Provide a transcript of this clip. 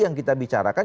yang kita bicarakan